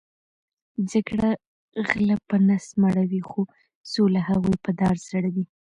جګړه غلۀ په نس مړؤی خو سوله هغوې په دار ځړؤی